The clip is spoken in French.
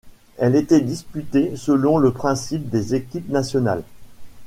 Elle était disputée selon le principe des équipes nationales.